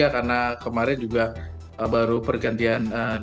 karena kemarin juga baru pergantian